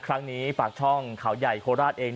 ครั้งนี้ปากช่องเขาใหญ่โคราชเอง